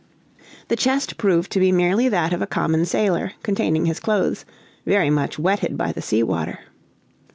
The chest proved to be merely that of a common sailor, containing his clothes, very much wetted by the sea water.